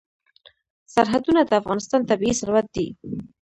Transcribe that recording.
سرحدونه د افغانستان طبعي ثروت دی.